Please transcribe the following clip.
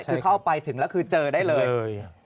คือเข้าไปถึงแล้วคือเจอได้เลย